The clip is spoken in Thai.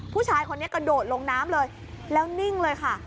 ผู้ชายคนนี้กระโดดลงน้ำเลยแล้วนิ่งเลยค่ะ